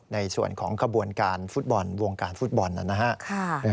ในส่วนของขบวนการฟุตบอลวงการฟุตบอลนะครับ